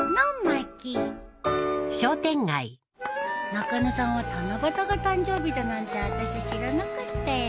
中野さんは七夕が誕生日だなんてあたしゃ知らなかったよ。